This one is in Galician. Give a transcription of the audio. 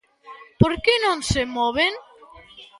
¿Por que non se moven?